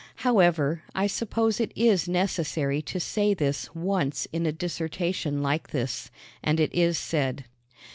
However, I suppose it is necessary to say this once in a dissertation like this and it is said.